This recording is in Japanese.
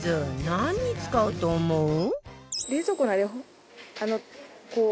何に使うと思う？